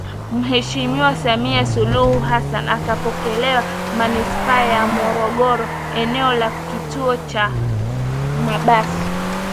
Mheshimiwa Samia Suluhu Hassan atapokelewa Manispaa ya Morogoro eneo la kituo kikuu cha mabasi